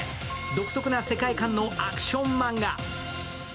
独特な世界観のアクションマンガ。